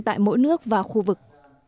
tại mỗi nước và khu vực